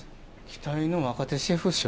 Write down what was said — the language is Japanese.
「期待の若手シェフ賞」。